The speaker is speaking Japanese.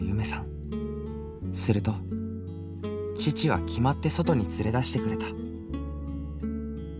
すると父は決まって外に連れ出してくれた。